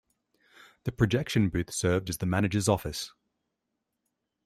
The projection booth served as the manager's office.